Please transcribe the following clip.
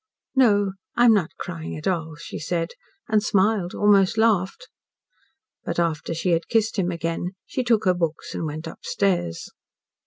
"No, I am not crying at all," she said, and smiled almost laughed. But after she had kissed him again she took her books and went upstairs.